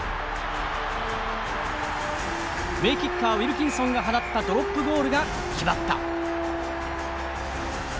名キッカーウィルキンソンが放ったドロップゴールが決まった。